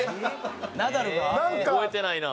覚えてないなあ。